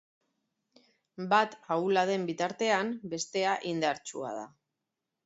Bat ahula den bitartean, bestea indartsua da.